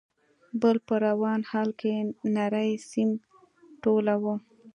، بل په روان حال کې نری سيم ټولاوه.